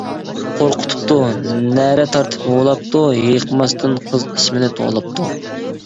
قورقۇتۇپتۇ، نەرە تارتىپ ھۇۋلاپتۇ، ھېيىقماستىن قىز ئىسمىنى توۋلاپتۇ.